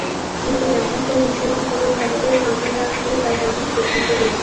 কিন্তু ক্যাম্পাসের বিষয়টি পুরো ভারতের নজরে আনতেই তাঁরা এমন সিদ্ধান্ত নিয়েছেন।